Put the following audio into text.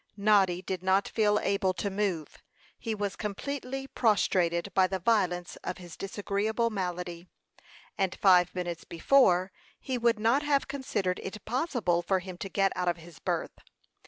Noddy did not feel able to move. He was completely prostrated by the violence of his disagreeable malady; and five minutes before, he would not have considered it possible for him to get out of his berth.